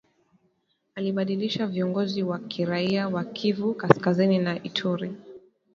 alibadilisha viongozi wa kiraia wa Kivu Kaskazini na Ituri